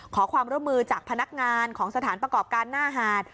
ขอความร่วมมือจากพนักงานของสถานประกอบการหน้าหาด